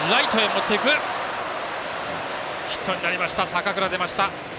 坂倉出ました。